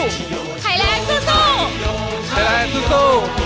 ไทยแลนด์สู้สู้